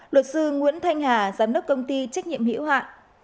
luật sư nguyễn thanh hà